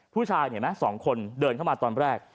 ผู้ชายเห็นไหม๒คนเดินเข้ามาตอนแรก